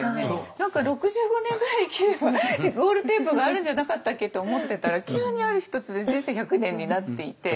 何か６５年ぐらい生きればゴールテープがあるんじゃなかったっけって思ってたら急にある日突然人生１００年になっていて。